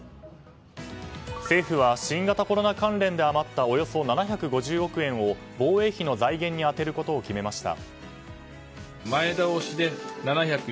政府は新型コロナ関連で余ったおよそ７５０億円を防衛費の財源に充てることを決めました。